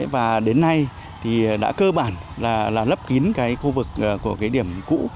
và đến nay thì đã cơ bản là lấp kín cái khu vực của cái điểm cũ